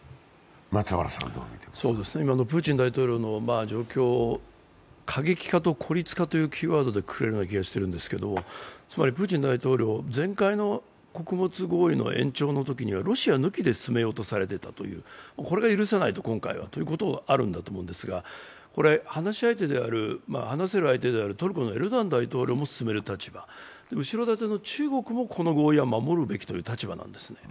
今のプーチン大統領の状況を過激化と孤立化というキーワードでくくれると思うんですけど、つまり、プーチン大統領、前回の穀物合意の延長のときにはロシア抜きで進めようとされていたと、これが今回は許せないということがあるんだと思いますが話せる相手であるトルコのエルドアン大統領も進める立場、後ろ楯の中国もこの合意は守るべきという立場なんですね。